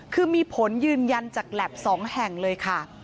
คือมีผลยืนยันจากแล็บ๒แห่งเลยค่ะ